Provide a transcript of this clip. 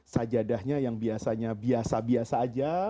sajadahnya yang biasanya biasa biasa aja